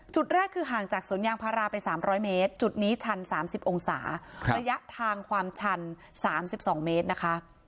จุดแรกคือห่างจากสวนยางพาราไป๓๐๐เมตรจุดนี้ชัน๓๐องศาระยะทางความชัน๓๒เมตรนะคะ